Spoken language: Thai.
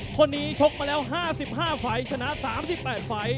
คนนี้ชกมาแล้ว๕๕ไฟล์ชนะ๓๘ไฟล์